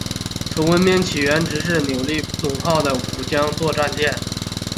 从文明起源直至扭力弩炮和五桨座战船。